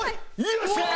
よっしゃー！